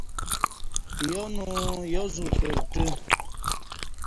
یا نویا زو کرٹہ